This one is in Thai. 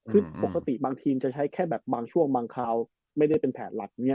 คือปกติบางทีมจะใช้แค่แบบบางช่วงบางคราวไม่ได้เป็นแผนหลัก